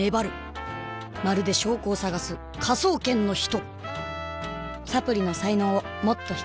まるで証拠を探す「科捜研の人」！！